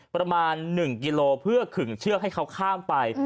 ประมาณ๑กิโลเพื่อขึ่งเชือกให้เขาข้ามไป